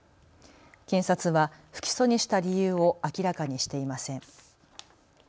検察は不起訴にした理由を明らかにしていません。